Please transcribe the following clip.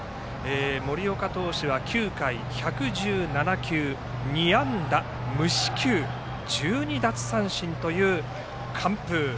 森岡投手は９回１１７球２安打無四球１２奪三振という完封。